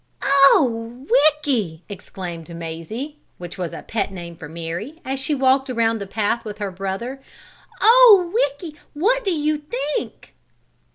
"Oh, Ricky!" exclaimed Mazie (which was a pet name for Mary) as she walked around the side path with her brother. "Oh, Ricky! What you think?"